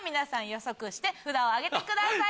予測して札を挙げてください。